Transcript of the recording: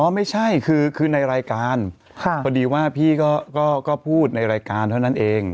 ไม่ใช่คือในรายการพอดีว่าพี่ก็พูดในรายการเท่านั้นเอง